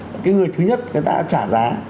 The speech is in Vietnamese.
cái người thứ nhất người ta trả giá